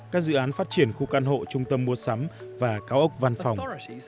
các dự án phát triển khu căn hộ trung tâm mua sắm và cao ốc văn phòng